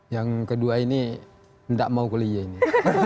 yang kedua ini tidak mau kuliah ini